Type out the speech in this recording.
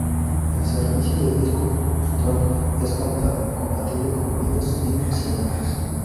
El servicio de disco duro virtual es compatible con Windows, Linux y Mac.